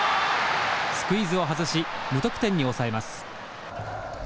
スクイズを外し無得点に抑えます。